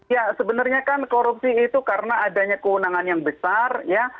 ya sebenarnya kan korupsi itu karena adanya kewenangan yang besar ya